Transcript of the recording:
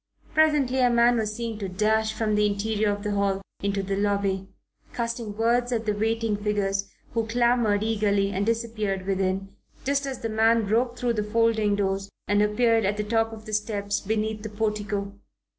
Presently a man was seen to dash from the interior of the hall into the lobby, casting words at the waiting figures, who clamoured eagerly and disappeared within, just as the man broke through the folding doors and appeared at the top of the steps beneath the portico.